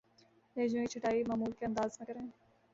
لہجوں کی چھٹائی معمول کے انداز میں کریں